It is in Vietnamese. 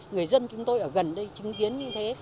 người dân chúng tôi ở gần đây chứng kiến như thế